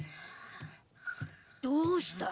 どうした？